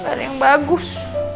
nggak ada yang bagus